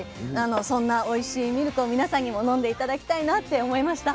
そんなおいしいミルクを皆さんにも飲んで頂きたいなって思いました。